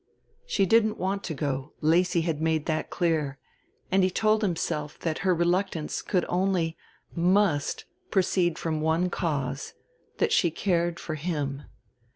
She didn't want to go, Lacy had made that clear; and he told himself that her reluctance could only, must, proceed from one cause that she cared for him.